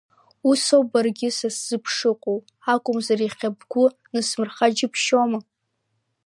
Усоуп баргьы са сзы бшыҟоу, акәымзар иахьа бгәы нысмырха џьыбшьома?